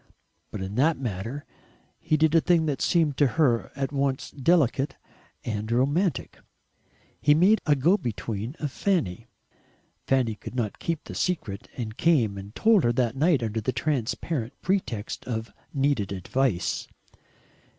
But in that matter he did a thing that seemed to her at once delicate and romantic. He made a go between of Fanny. Fanny could not keep the secret, and came and told her that night under a transparent pretext of needed advice.